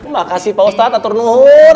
makasih pak ustadz